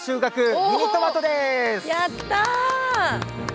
やった！